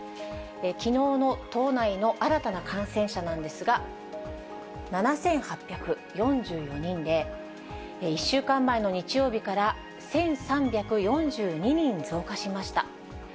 きのうの都内の新たな感染者なんですが、７８４４人で、１週間前の日曜日から１３４２人増加しました。